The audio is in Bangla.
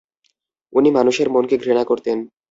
উনি মানুষের মনকে ঘৃণা করতেন।